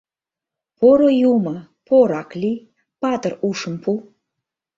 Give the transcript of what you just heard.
Поро Юмо, порак лий: Патыр ушым пу.